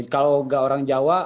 kalau gak orang jawa